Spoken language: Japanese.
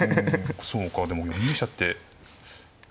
そうかでも４二飛車ってさすがに。